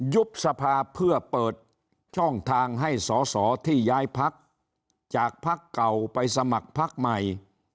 ยุบสภาเพื่อเปิดช่องทางให้สอสอที่ย้ายพักจากพักเก่าไปสมัครพักใหม่